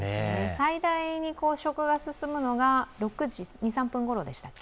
最大に食が進むのが６時２３分ごろでしたっけ。